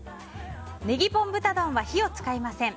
ネギポン豚丼は火を使いません。